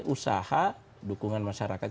usaha dukungan masyarakat